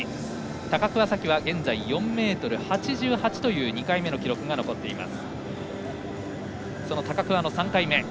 高桑早生は現在、４ｍ８８という２回目の記録が残っています。